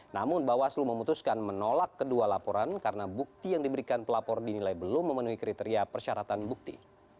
namun bawaslu memutuskan menolak kedua laporan karena bukti yang diberikan pelapor dinilai belum memenuhi kriteria persyaratan bukti